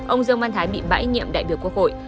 ông dương văn thái bị bãi nhiệm đại biểu quốc hội